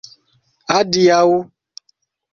Adiaŭ.